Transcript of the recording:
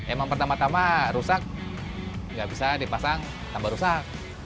emang pertama tama rusak nggak bisa dipasang tambah rusak